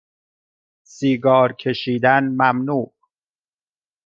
سیگار کشیدن ممنوع